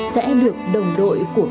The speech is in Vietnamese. sẽ được đồng đội của quân đồng